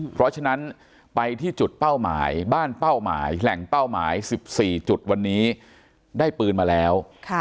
เพราะฉะนั้นไปที่จุดเป้าหมายบ้านเป้าหมายแหล่งเป้าหมาย๑๔จุดวันนี้ได้ปืนมาแล้ว